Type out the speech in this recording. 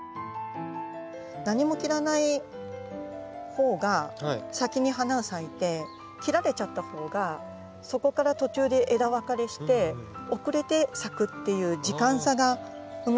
何も切らないほうが先に花が咲いて切られちゃったほうがそこから途中で枝分かれして遅れて咲くっていう時間差が生まれるんですよ。